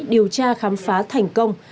điều tra khám phá thành công